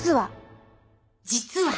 実は。